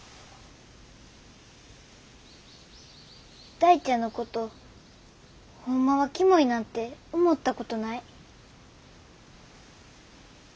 大ちゃんのことホンマはキモいなんて思ったことない。